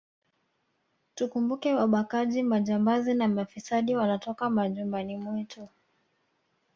Tukumbuke wabakaji majambazi na mafisadi wanatoka majumbani mwetu